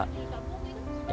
di kampung gitu